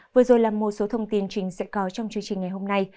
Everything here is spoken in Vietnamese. vừa rồi là một số thông tin chính sẽ có trong chương trình ngày hôm nay